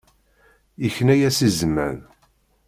Yekna-as i zman.